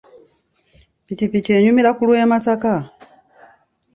Ppikipiki enyumira ku lw'e Masaka.